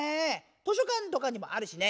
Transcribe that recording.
図書館とかにもあるしね。